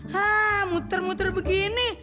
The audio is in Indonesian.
hah muter muter begini